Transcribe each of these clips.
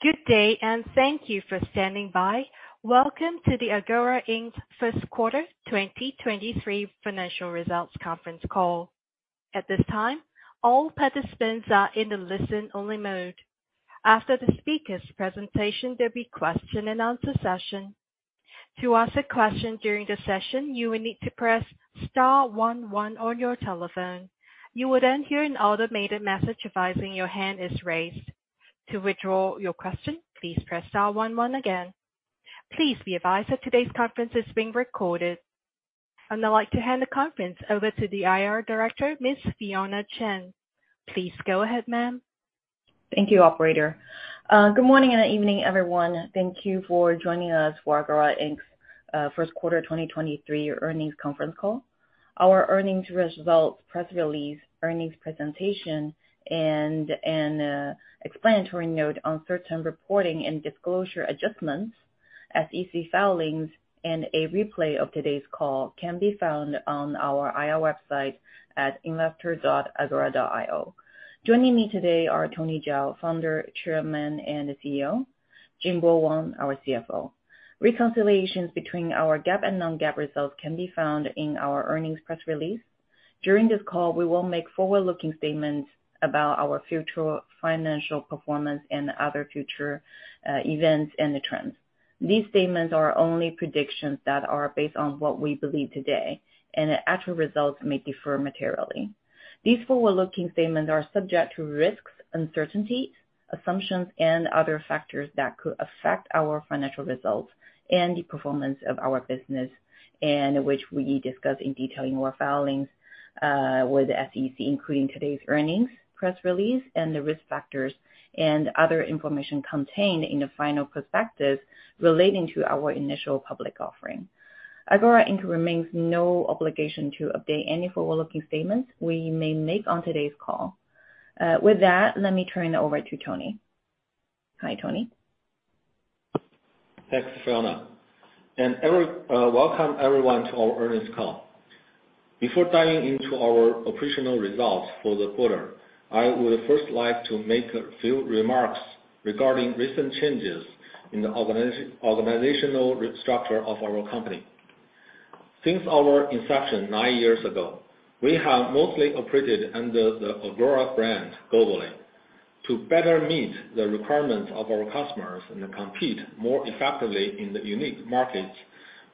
Good day, and thank you for standing by. Welcome to the Agora, Inc.'s first quarter 2023 financial results conference call. At this time, all participants are in a listen-only mode. After the speakers' presentation, there'll be Q&A session. To ask a question during the session, you will need to press star one one on your telephone. You will then hear an automated message advising your hand is raised. To withdraw your question, please press star one one again. Please be advised that today's conference is being recorded. I'd like to hand the conference over to the IR Director, Ms. Fionna Chen. Please go ahead, ma'am. Thank you, operator. Good morning and evening, everyone. Thank you for joining us for Agora, Inc.'s first quarter 2023 earnings conference call. Our earnings results, press release, earnings presentation, and explanatory note on certain reporting and disclosure adjustments, SEC filings, and a replay of today's call can be found on our IR website at investor.agora.io. Joining me today are Tony Zhao, founder, chairman, and CEO; Jingbo Wang, our CFO. Reconciliations between our GAAP and non-GAAP results can be found in our earnings press release. During this call, we will make forward-looking statements about our future financial performance and other future events and the trends. These statements are only predictions that are based on what we believe today, and the actual results may differ materially. These forward-looking statements are subject to risks, uncertainties, assumptions, and other factors that could affect our financial results and the performance of our business, and which we discuss in detail in our filings with the SEC, including today's earnings press release and the risk factors and other information contained in the final prospectus relating to our initial public offering. Agora, Inc. remains no obligation to update any forward-looking statements we may make on today's call. With that, let me turn it over to Tony. Hi, Tony. Thanks, Fionna. Welcome everyone to our earnings call. Before diving into our operational results for the quarter, I would first like to make a few remarks regarding recent changes in the organizational structure of our company. Since our inception nine years ago, we have mostly operated under the Agora brand globally. To better meet the requirements of our customers and compete more effectively in the unique markets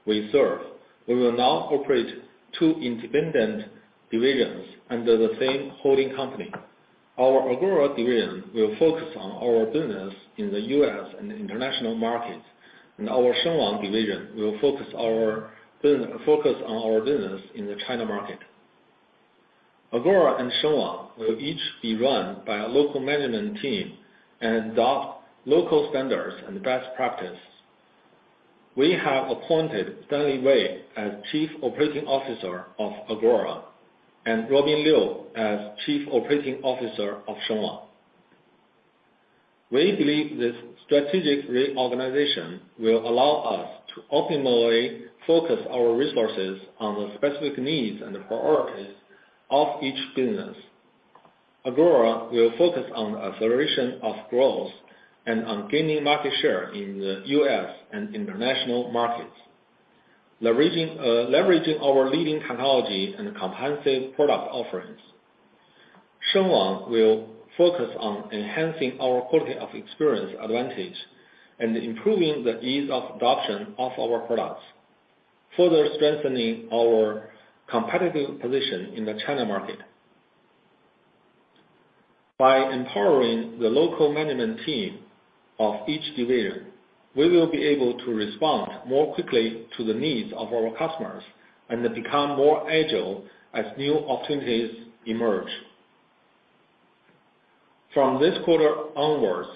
we serve, we will now operate two independent divisions under the same holding company. Our Agora division will focus on our business in the U.S. and international markets, and our Shengwang division will focus on our business in the China market. Agora and Shengwang will each be run by a local management team and adopt local standards and best practices. We have appointed Stanley Wei as Chief Operating Officer of Agora and Robbin Liu as Chief Operating Officer of Shengwang. We believe this strategic reorganization will allow us to optimally focus our resources on the specific needs and priorities of each business. Agora will focus on the acceleration of growth and on gaining market share in the U.S. and international markets, leveraging our leading technology and comprehensive product offerings. Shengwang will focus on enhancing our quality of experience advantage and improving the ease of adoption of our products, further strengthening our competitive position in the China market. By empowering the local management team of each division, we will be able to respond more quickly to the needs of our customers and become more agile as new opportunities emerge. From this quarter onwards,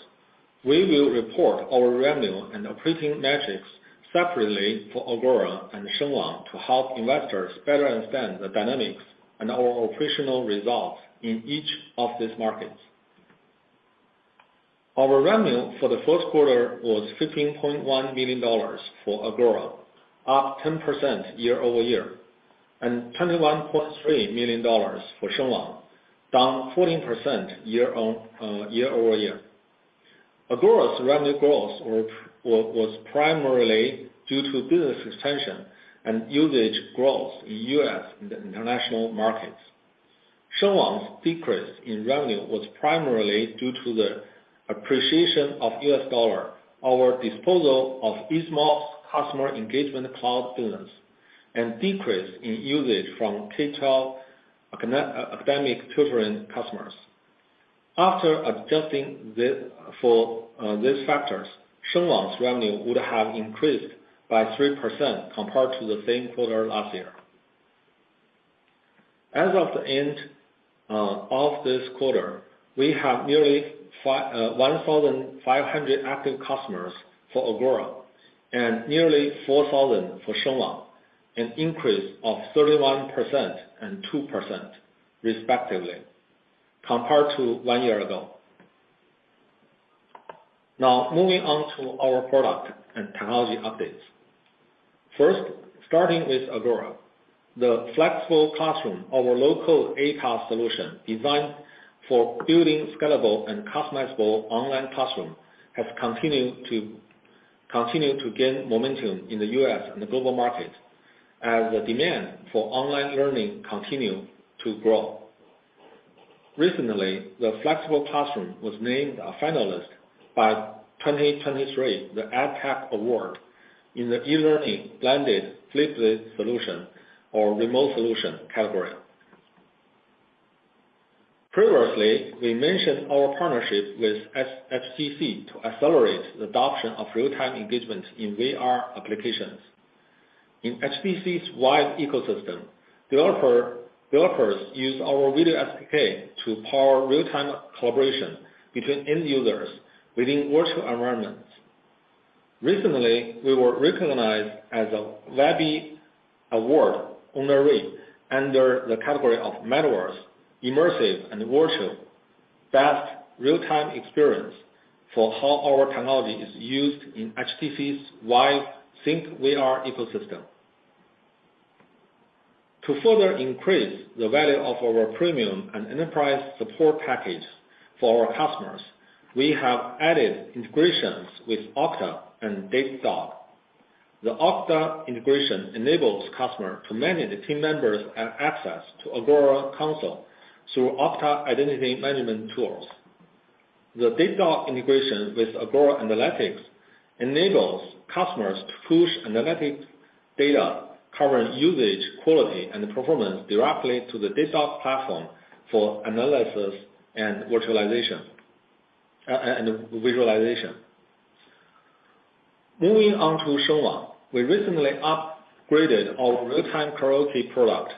we will report our revenue and operating metrics separately for Agora and Shengwang to help investors better understand the dynamics and our operational results in each of these markets. Our revenue for the first quarter was $15.1 million for Agora, up 10% year-over-year, and $21.3 million for Shengwang, down 14% year-over-year. Agora's revenue growth was primarily due to business expansion and usage growth in U.S. and the international markets. Shengwang's decrease in revenue was primarily due to the appreciation of the U.S. dollar, our disposal of Easemob's customer engagement cloud business, and decrease in usage from K-12 academic tutoring customers. After adjusting these factors, Shengwang's revenue would have increased by 3% compared to the same quarter last year. As of the end of this quarter, we have nearly 1,500 active customers for Agora and nearly 4,000 for Shengwang, an increase of 31% and 2% respectively, compared to one year ago. Moving on to our product and technology updates. First, starting with Agora. The Flexible Classroom, our low-code aPaaS solution designed for building scalable and customizable online classroom, has continued to gain momentum in the U.S. and the global market as the demand for online learning continue to grow. Recently, the Flexible Classroom was named a finalist by 2023, The EdTech Award in the E-learning Blended/Flipped Solution or Remote Solution category. Previously, we mentioned our partnership with HTC to accelerate the adoption of real-time engagement in VR applications. In HTC's VIVE ecosystem, developers use our Video SDK to power real-time collaboration between end users within virtual environments. Recently, we were recognized as a Webby Award honoree under the category of Metaverse, Immersive, and Virtual: Best Real-Time Experience for how our technology is used in HTC's VIVE Sync VR ecosystem. To further increase the value of our premium and enterprise support package for our customers, we have added integrations with Okta and Datadog. The Okta integration enables customer to manage the team members and access to Agora Console through Okta identity management tools. The Datadog integration with Agora Analytics enables customers to push analytics data, covering usage, quality, and performance directly to the Datadog platform for analysis and visualization. Moving on to Shengwang, we recently upgraded our real-time karaoke product.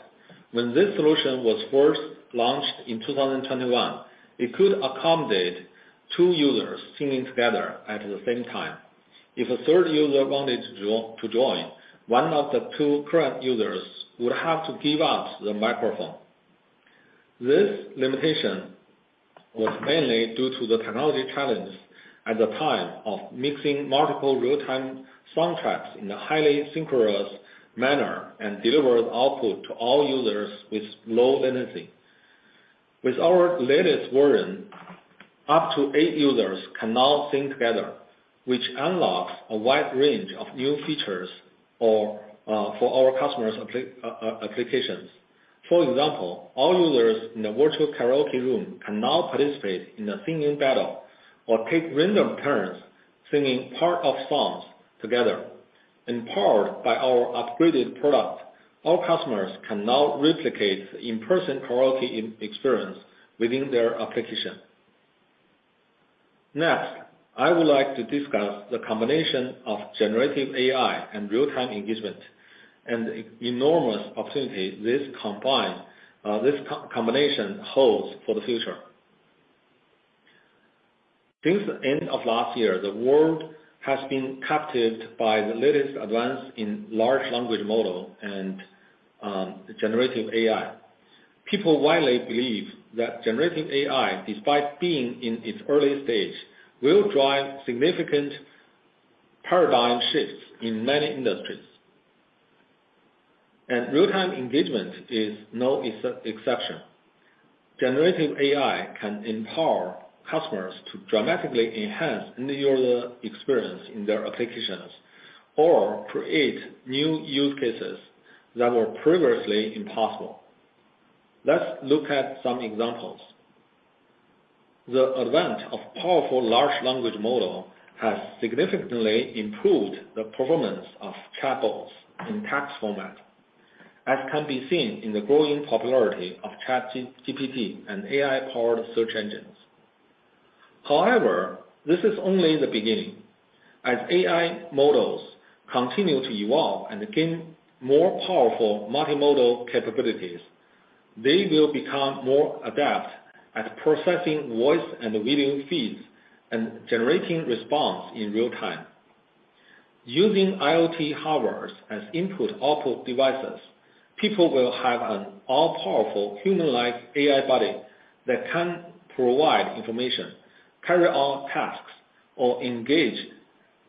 When this solution was first launched in 2021, it could accommodate two users singing together at the same time. If a third user wanted to join, one of the two current users would have to give up the microphone. This limitation was mainly due to the technology challenge at the time of mixing multiple real-time soundtracks in a highly synchronous manner, and delivered output to all users with low latency. With our latest version, up to eight users can now sing together, which unlocks a wide range of new features for our customers applications. For example, all users in the virtual karaoke room can now participate in a singing battle or take random turns singing part of songs together. Empowered by our upgraded product, our customers can now replicate the in-person karaoke experience within their application. Next, I would like to discuss the combination of generative AI and real-time engagement, and the enormous opportunity this co-combination holds for the future. Since the end of last year, the world has been captivated by the latest advance in large language model and generative AI. People widely believe that generative AI, despite being in its early stage, will drive significant paradigm shifts in many industries. Real-time engagement is no exception. Generative AI can empower customers to dramatically enhance end user experience in their applications, or create new use cases that were previously impossible. Let's look at some examples. The advent of powerful large language model has significantly improved the performance of chatbots in text format, as can be seen in the growing popularity of ChatGPT and AI-powered search engines. However, this is only the beginning. As AI models continue to evolve and gain more powerful multimodal capabilities, they will become more adept at processing voice and video feeds and generating response in real-time. Using IoT hardware as input-output devices, people will have an all-powerful human-like AI buddy that can provide information, carry out tasks, or engage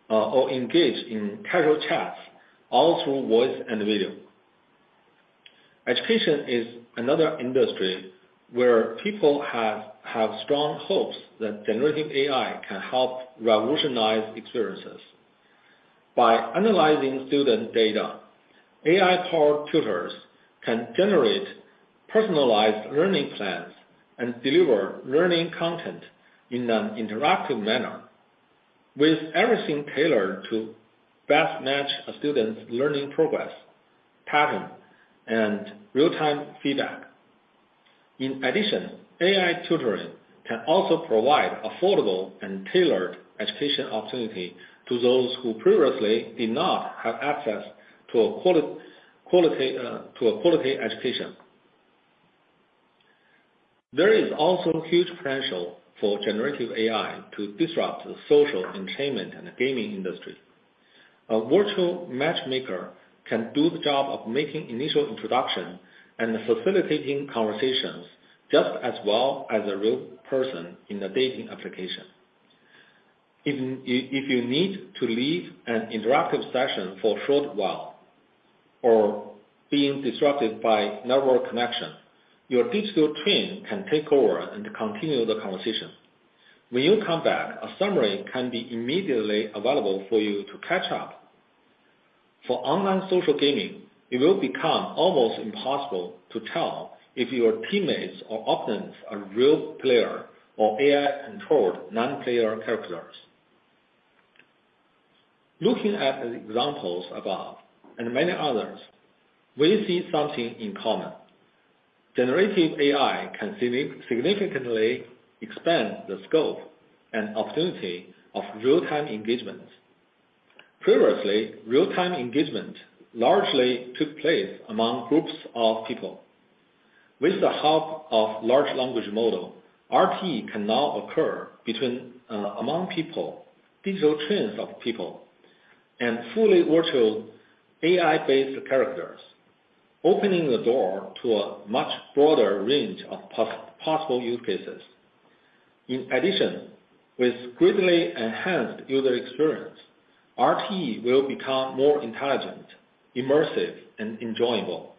in casual chats, all through voice and video. Education is another industry where people have strong hopes that generative AI can help revolutionize experiences. By analyzing student data, AI-powered tutors can generate personalized learning plans and deliver learning content in an interactive manner, with everything tailored to best match a student's learning progress, pattern, and real-time feedback. In addition, AI tutoring can also provide affordable and tailored education opportunity to those who previously did not have access to a quality education. There is also huge potential for generative AI to disrupt the social, entertainment, and gaming industry. A virtual matchmaker can do the job of making initial introduction and facilitating conversations just as well as a real person in a dating application. If you need to leave an interactive session for a short while or being disrupted by network connection, your digital twin can take over and continue the conversation. When you come back, a summary can be immediately available for you to catch up. For online social gaming, it will become almost impossible to tell if your teammates or opponents are real player or AI-controlled non-player characters. Looking at the examples above and many others, we see something in common. Generative AI can significantly expand the scope and opportunity of real-time engagement. Previously, real-time engagement largely took place among groups of people. With the help of large language model, RTE can now occur between among people, digital twins of people, and fully virtual AI-based characters, opening the door to a much broader range of possible use cases. With greatly enhanced user experience, RTE will become more intelligent, immersive, and enjoyable.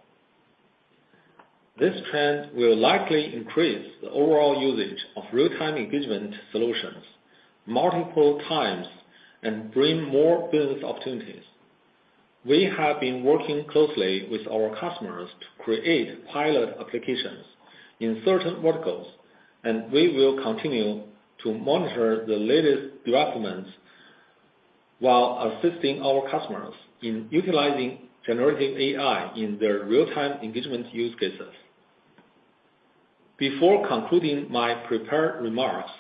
This trend will likely increase the overall usage of real-time engagement solutions multiple times and bring more business opportunities. We have been working closely with our customers to create pilot applications in certain verticals, and we will continue to monitor the latest developments, while assisting our customers in utilizing generative AI in their real-time engagement use cases. Before concluding my prepared remarks,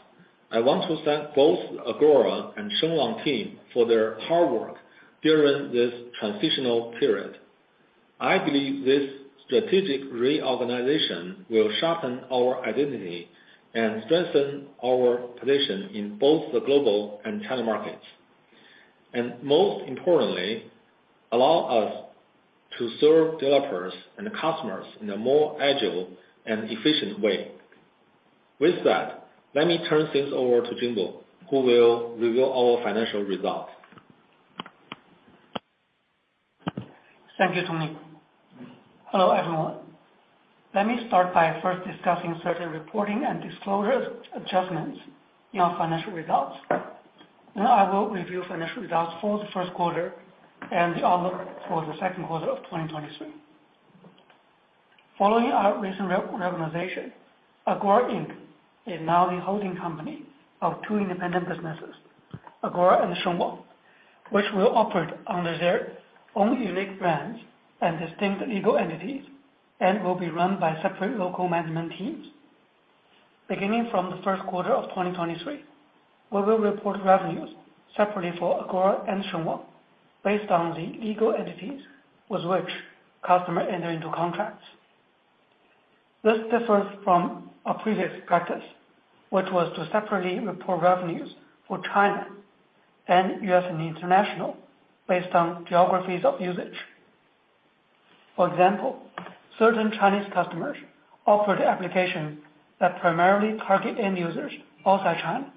I want to thank both Agora and Shengwang team for their hard work during this transitional period. I believe this strategic reorganization will sharpen our identity and strengthen our position in both the global and China markets, and most importantly, allow us to serve developers and customers in a more agile and efficient way. With that, let me turn things over to Jingbo, who will reveal our financial results. Thank you, Tony. Hello, everyone. Let me start by first discussing certain reporting and disclosure adjustments in our financial results. I will review financial results for the first quarter and the outlook for the second quarter of 2023. Following our recent reorganization, Agora Inc. is now the holding company of two independent businesses, Agora and Shengwang, which will operate under their own unique brands and distinct legal entities, and will be run by separate local management teams. Beginning from the first quarter of 2023, we will report revenues separately for Agora and Shengwang, based on the legal entities with which customer enter into contracts. This differs from our previous practice, which was to separately report revenues for China and U.S. and international, based on geographies of usage. For example, certain Chinese customers offer the application that primarily target end users outside China.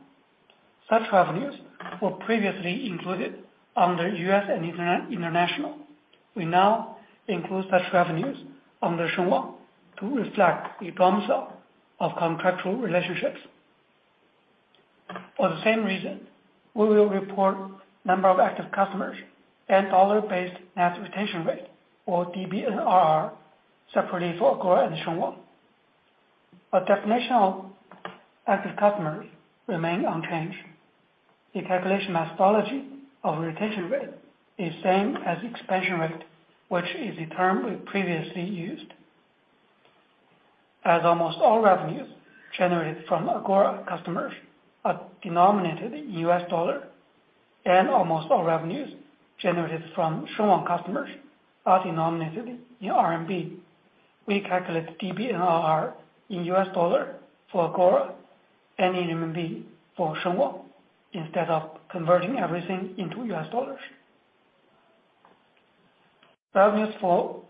Such revenues were previously included under U.S. and international. We now include such revenues under Shengwang to reflect the promise of contractual relationships. For the same reason, we will report number of active customers and Dollar-Based Net Retention Rate, or DBNRR, separately for Agora and Shengwang. Our definition of active customers remain unchanged. The calculation methodology of retention rate is same as expansion rate, which is the term we previously used. As almost all revenues generated from Agora customers are denominated in U.S. dollar, and almost all revenues generated from Shengwang customers are denominated in RMB, we calculate DBNRR in U.S. dollar for Agora and in RMB for Shengwang, instead of converting everything into U.S. dollars. Revenues for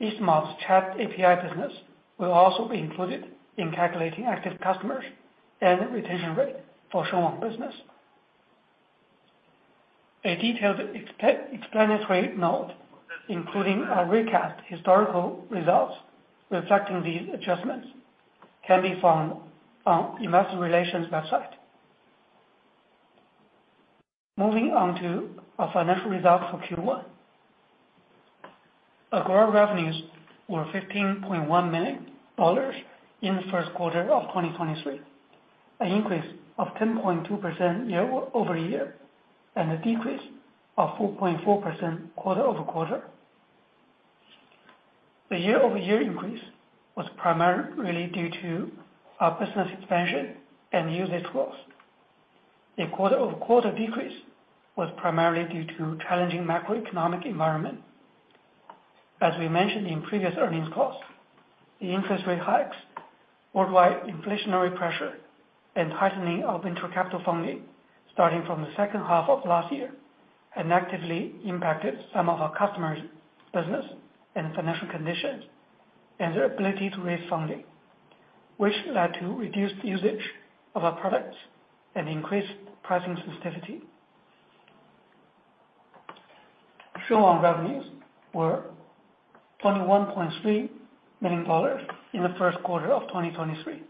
each month's Chat API business will also be included in calculating active customers and retention rate for Shengwang business. A detailed explanatory note, including our recast historical results reflecting these adjustments, can be found on Investor Relations website. Moving on to our financial results for Q1. Agora revenues were $15.1 million in the first quarter of 2023, an increase of 10.2% year-over-year, and a decrease of 4.4% quarter-over-quarter. The year-over-year increase was primarily due to our business expansion and usage growth. The quarter-over-quarter decrease was primarily due to challenging macroeconomic environment. As we mentioned in previous earnings calls, the interest rate hikes, worldwide inflationary pressure, and tightening of intercapital funding starting from the second half of last year, have negatively impacted some of our customers' business and financial conditions, and their ability to raise funding, which led to reduced usage of our products and increased pricing sensitivity. Shengwang revenues were $21.3 million in the 1st quarter of 2023,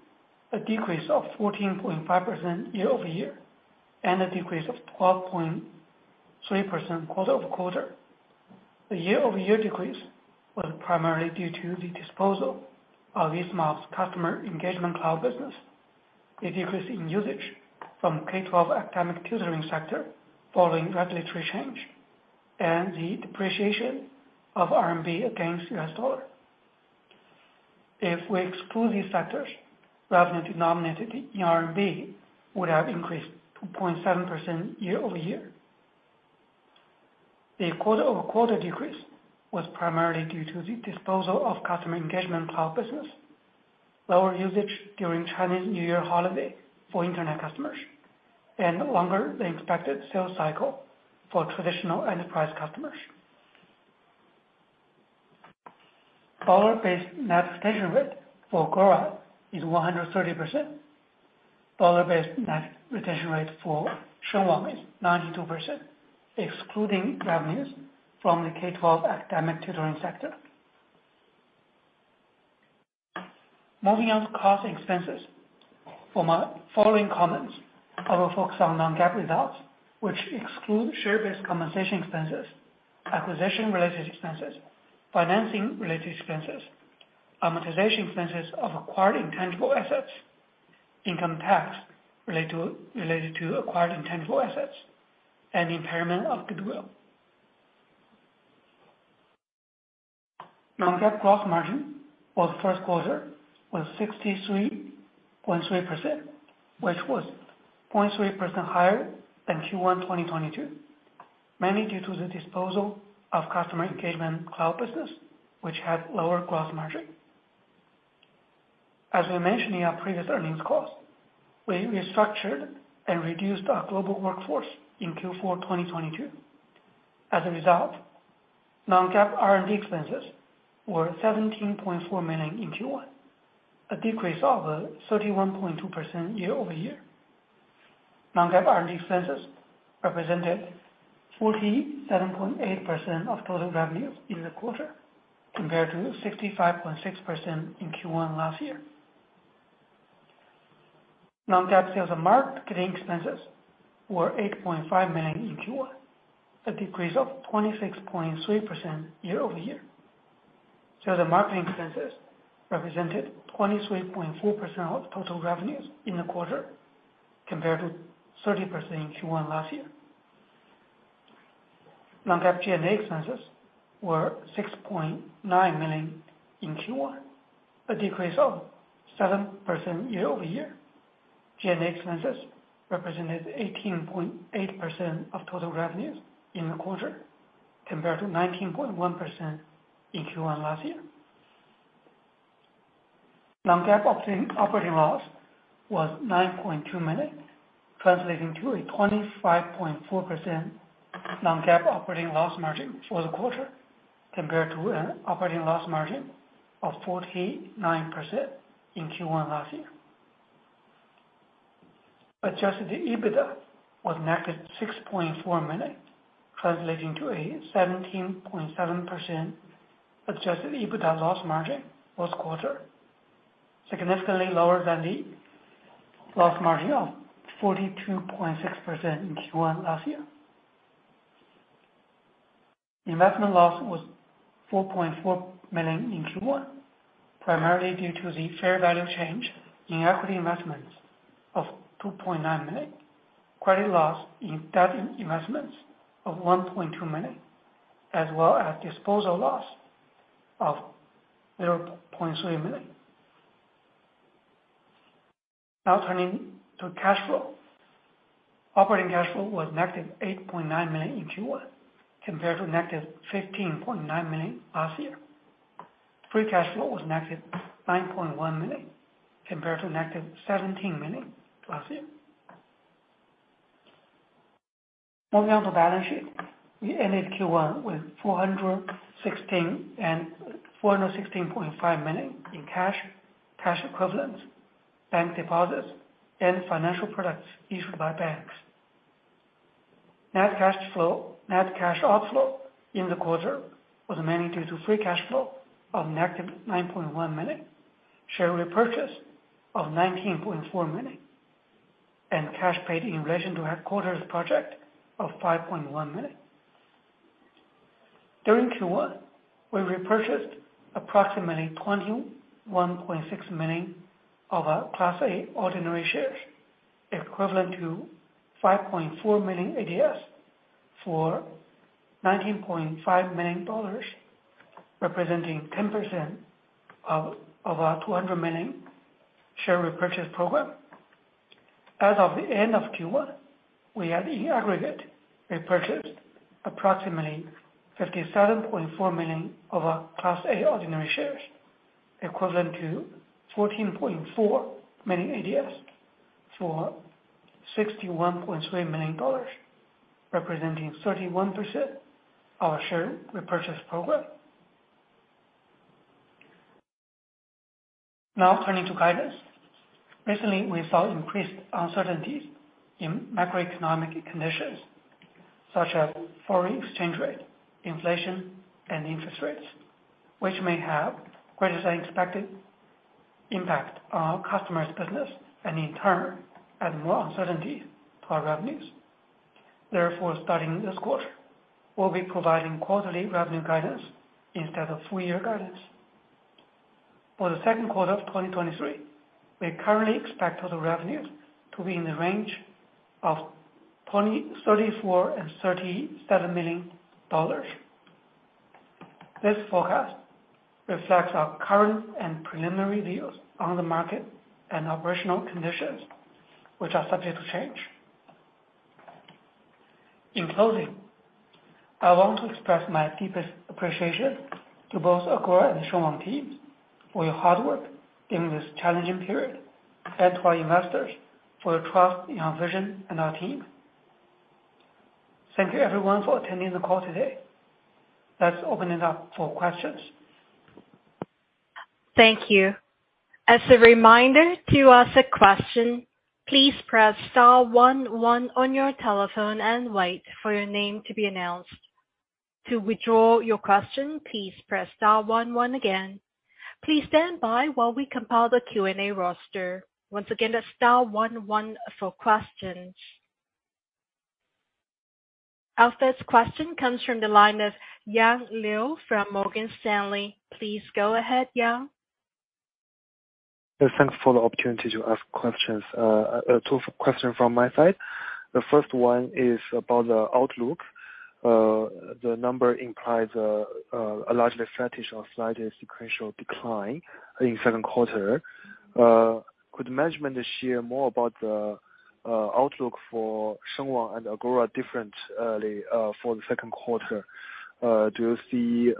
a decrease of 14.5% year-over-year, and a decrease of 12.3% quarter-over-quarter. The year-over-year decrease was primarily due to the disposal of Easemob's customer engagement cloud business, a decrease in usage from K-12 academic tutoring sector following regulatory change, and the depreciation of RMB against U.S. dollar. If we exclude these factors, revenue denominated in RMB would have increased 2.7% year-over-year. The quarter-over-quarter decrease was primarily due to the disposal of customer engagement cloud business, lower usage during Chinese New Year holiday for internet customers, and longer than expected sales cycle for traditional enterprise customers. Dollar-based net retention rate for Agora is 130%. Dollar-based net retention rate for Shengwang is 92%, excluding revenues from the K-12 academic tutoring sector. Moving on to cost and expenses. For my following comments, I will focus on non-GAAP results, which exclude share-based compensation expenses, acquisition-related expenses, financing-related expenses, amortization expenses of acquired intangible assets, income tax related to acquired intangible assets, and impairment of goodwill. Non-GAAP gross margin for the first quarter was 63.3%, which was 0.3% higher than Q1 2022, mainly due to the disposal of customer engagement cloud business, which had lower gross margin. As we mentioned in our previous earnings calls, we restructured and reduced our global workforce in Q4 2022. As a result, non-GAAP R&D expenses were $17.4 million in Q1, a decrease of 31.2% year-over-year. Non-GAAP R&D expenses represented 47.8% of total revenue in the quarter, compared to 65.6% in Q1 last year. Non-GAAP sales and marketing expenses were $8.5 million in Q1, a decrease of 26.3% year-over-year. Sales and marketing expenses represented 23.4% of total revenues in the quarter, compared to 30% in Q1 last year. Non-GAAP G&A expenses were $6.9 million in Q1, a decrease of 7% year-over-year. G&A expenses represented 18.8% of total revenues in the quarter, compared to 19.1% in Q1 last year. Non-GAAP operating loss was $9.2 million, translating to a 25.4% non-GAAP operating loss margin for the quarter, compared to an operating loss margin of 49% in Q1 last year. Adjusted EBITDA was -$6.4 million, translating to a 17.7% adjusted EBITDA loss margin for the quarter, significantly lower than the loss margin of 42.6% in Q1 last year. Investment loss was $4.4 million in Q1, primarily due to the fair value change in equity investments of $2.9 million, credit loss in debt investments of $1.2 million, as well as disposal loss of $0.3 million. Turning to cash flow. Operating cash flow was -$8.9 million in Q1, compared to -$15.9 million last year. Free cash flow was -$9.1 million, compared to -$17 million last year. Moving on to balance sheet. We ended Q1 with $416.5 million in cash equivalents, bank deposits, and financial products issued by banks. Net cash outflow in the quarter was mainly due to free cash flow of -$9.1 million, share repurchase of $19.4 million, and cash paid in relation to headquarters project of $5.1 million. During Q1, we repurchased approximately 21.6 million of our Class A ordinary shares, equivalent to 5.4 million ADS for $19.5 million, representing 10% of our $200 million share repurchase program. As of the end of Q1, we had in aggregate repurchased approximately 57.4 million of our Class A ordinary shares, equivalent to 14.4 million ADS for $61.3 million. Representing 31% of our share repurchase program. Turning to guidance. Recently, we saw increased uncertainties in macroeconomic conditions, such as foreign exchange rate, inflation, and interest rates, which may have greater than expected impact on our customers' business and in turn, add more uncertainty to our revenues. Therefore, starting this quarter, we'll be providing quarterly revenue guidance instead of full year guidance. For the second quarter of 2023, we currently expect total revenues to be in the range of $34 million-$37 million. This forecast reflects our current and preliminary views on the market and operational conditions, which are subject to change. In closing, I want to express my deepest appreciation to both Agora and Shengwang teams for your hard work during this challenging period, and to our investors for your trust in our vision and our team. Thank you everyone for attending the call today. Let's open it up for questions. Thank you. As a reminder, to ask a question, please press star one one on your telephone and wait for your name to be announced. To withdraw your question, please press star one one again. Please stand by while we compile the Q&A roster. Once again, that's star one one for questions. Our first question comes from the line of Yang Liu from Morgan Stanley. Please go ahead, Yang. Thanks for the opportunity to ask questions. I have two question from my side. The first one is about the outlook. The number implies a largely static or slightest sequential decline in second quarter. Could management share more about the outlook for Shengwang and Agora differently, for the second quarter? Do you see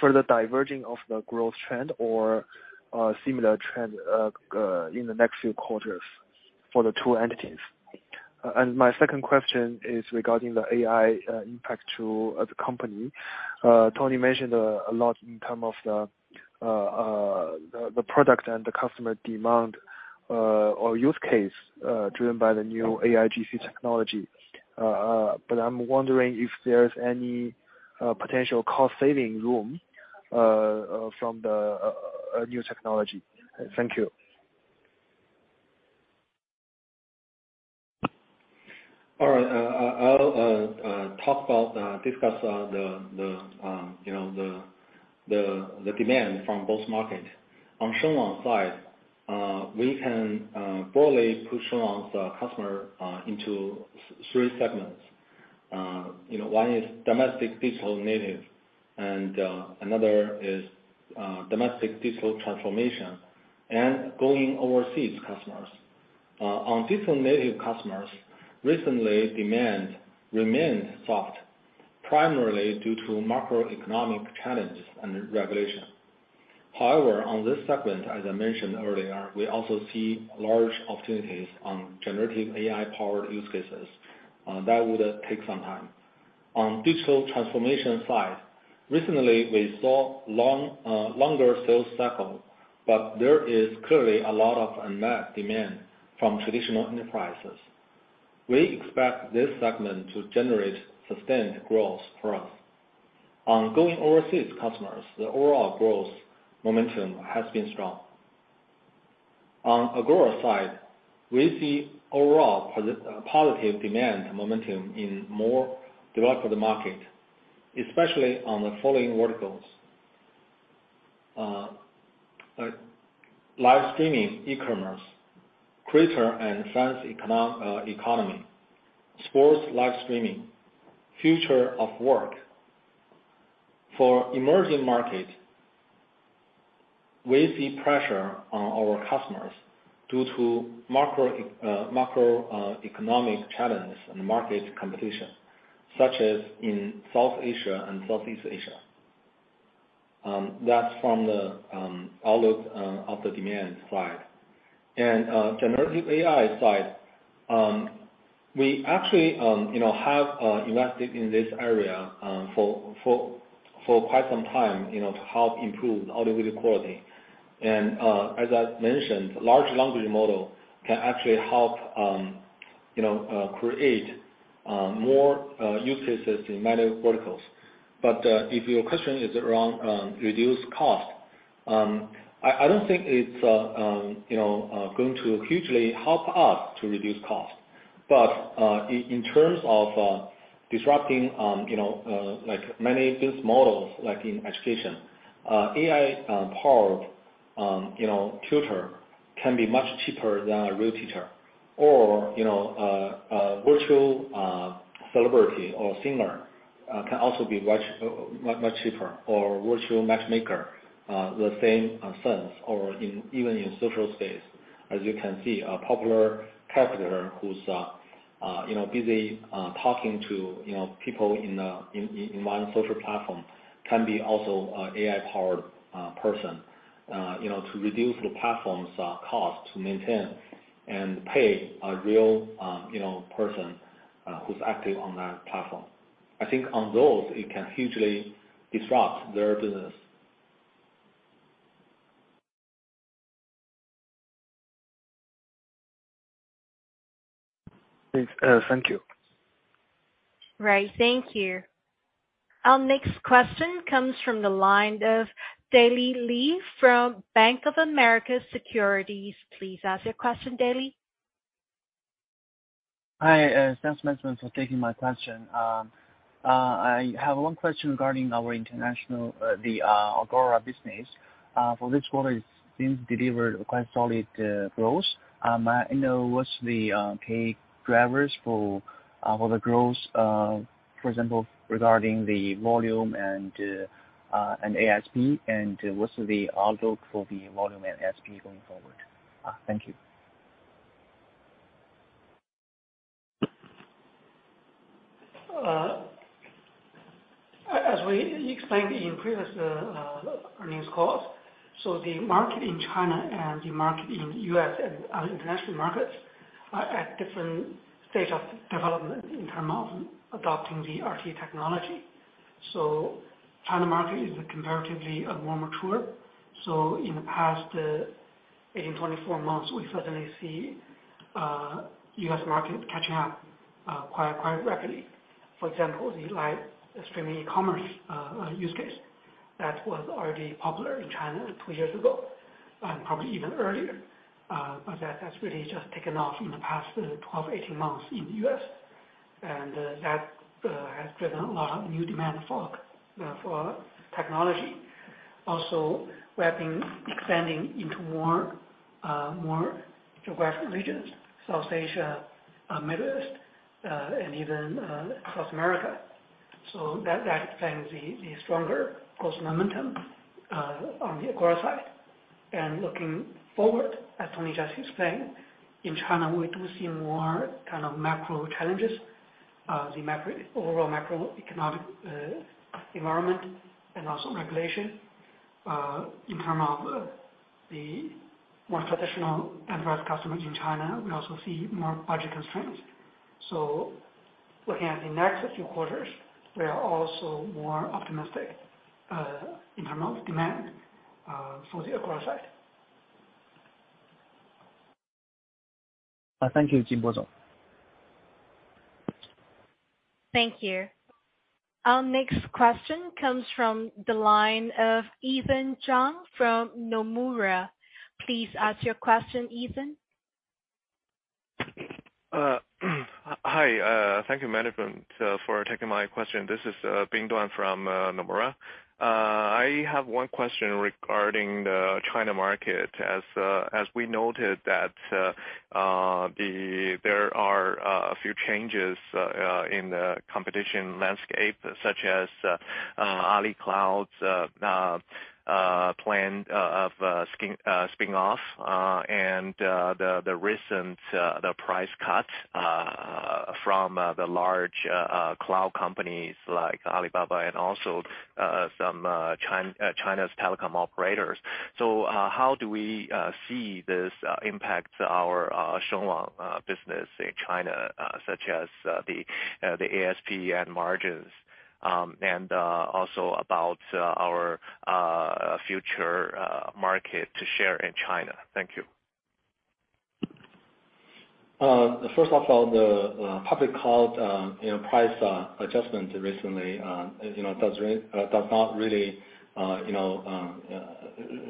further diverging of the growth trend or similar trend in the next few quarters for the two entities? My second question is regarding the AI impact to the company. Tony mentioned a lot in term of the product and the customer demand or use case driven by the new AIGC technology. But I'm wondering if there's any potential cost-saving room from the new technology. Thank you. All right. I'll talk about, discuss, you know, the demand from both markets. On Shengwang side, we can broadly put Shengwang's customer into three segments. You know, one is domestic digital native, and another is domestic digital transformation, and going overseas customers. On digital native customers, recently, demand remains soft, primarily due to macroeconomic challenges and regulation. However, on this segment, as I mentioned earlier, we also see large opportunities on generative AI-powered use cases that would take some time. On digital transformation side, recently, we saw long, longer sales cycle, but there is clearly a lot of unmet demand from traditional enterprises. We expect this segment to generate sustained growth for us. On going overseas customers, the overall growth momentum has been strong. On Agora side, we see overall positive demand momentum in more developed market, especially on the following verticals: live streaming, e-commerce, creator and fans economy, sports live streaming, future of work. For emerging markets, we see pressure on our customers due to macroeconomic challenges and market competition, such as in South Asia and Southeast Asia. That's from the outlook of the demand side. Generative AI side, we actually, you know, have invested in this area for quite some time, you know, to help improve the audio-video quality. As I mentioned, large language model can actually help, you know, create more use cases in many verticals. If your question is around reduce cost, I don't think it's, you know, going to hugely help us to reduce cost. In terms of disrupting, you know, like many business models, like in education, AI-powered, you know, tutor can be much cheaper than a real teacher, or, you know, a virtual celebrity or singer, can also be much cheaper, or virtual matchmaker, the same sense, or even in social space. As you can see, a popular character who's, you know, busy talking to, you know, people in one social platform, can be also a AI-powered person. You know, to reduce the platform's, cost, to maintain and pay a real, you know, person, who's active on that platform. I think on those, it can hugely disrupt their business. Yes. thank you. Right. Thank you. Our next question comes from the line of Daley Li from Bank of America Securities. Please ask your question, Daley. Hi, thanks, management, for taking my question. I have one question regarding our international, the Agora business. For this quarter, it seems delivered quite solid growth. I know what's the key drivers for the growth, for example, regarding the volume and ASP, and what's the outlook for the volume and ASP going forward? Thank you. As we explained in previous earnings calls, the market in China and the market in U.S. and other international markets are at different stage of development in term of adopting the RTE technology. China market is comparatively more mature. In the past 18, 24 months, we certainly see U.S. market catching up quite rapidly. For example, the live streaming commerce use case, that was already popular in China two years ago, and probably even earlier. That has really just taken off in the past 12, 18 months in the U.S., and that has driven a lot of new demand for technology. We have been expanding into more geographic regions, South Asia, Middle East, and even South America. That explains the stronger growth momentum on the Agora side. Looking forward, as Tony just explained, in China, we do see more kind of macro challenges, the overall macroeconomic environment and also regulation, in term of the more traditional enterprise customers in China, we also see more budget constraints. Looking at the next few quarters, we are also more optimistic in terms of demand for the Agora side. Thank you, Jingbo Wang. Thank you. Our next question comes from the line of Ethan Zhang from Nomura. Please ask your question, Ethan. Hi, thank you, management, for taking my question. This is Bing Duan from Nomura. I have one question regarding the China market. As we noted that there are a few changes in the competition landscape, such as AliCloud's plan of spin-off and the recent price cuts from the large cloud companies like Alibaba and also some China's telecom operators. How do we see this impact our Shengwang business in China, such as the ASP and margins, and also about our future market share in China? Thank you. First of all, the public cloud price adjustment recently does not really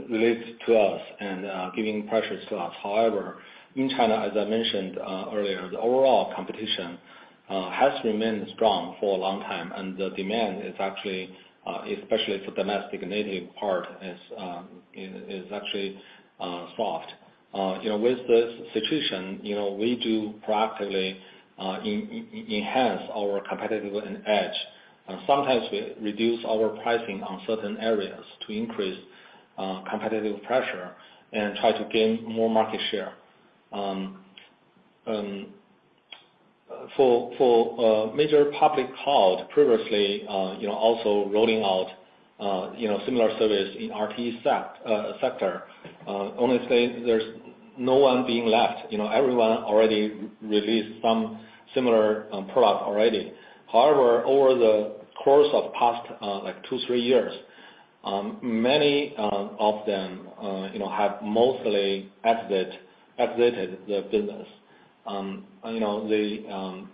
relate to us and giving pressures to us. However, in China, as I mentioned earlier, the overall competition has remained strong for a long time, and the demand is actually, especially for domestic native part, is is actually soft. With this situation, we do proactively enhance our competitive edge, and sometimes we reduce our pricing on certain areas to increase competitive pressure and try to gain more market share. And for major public cloud, previously, also rolling out similar service in RTE sector, honestly, there's no one being left. You know, everyone already released some similar product already. However, over the course of past, like two, three years, many of them, you know, have mostly exited the business. You know, they,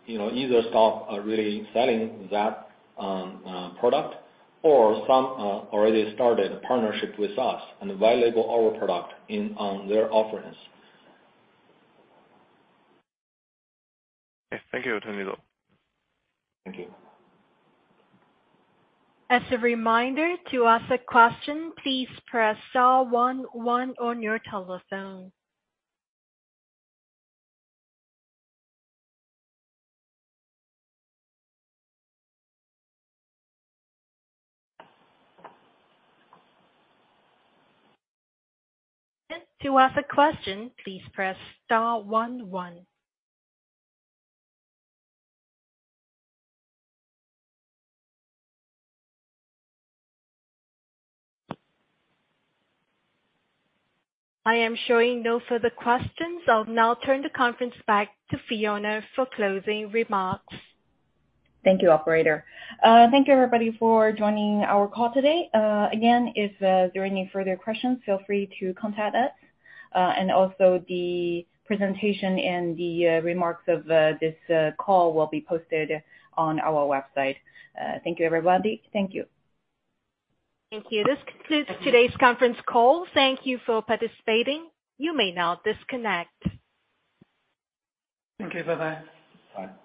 you know, either stop really selling that product, or some already started a partnership with us and white label our product in their offerings. Thank you, Tony Zhao. Thank you. As a reminder, to ask a question, please press star one one on your telephone. To ask a question, please press star one one. I am showing no further questions. I'll now turn the conference back to Fiona for closing remarks. Thank you, operator. Thank you, everybody, for joining our call today. Again, if there are any further questions, feel free to contact us. Also the presentation and the remarks of this call will be posted on our website. Thank you, everybody. Thank you. Thank you. This concludes today's conference call. Thank you for participating. You may now disconnect. Thank you. Bye-bye.